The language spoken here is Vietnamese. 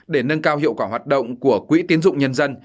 để nâng cao hiệu quả hoạt động của quỹ tiến dụng nhân dân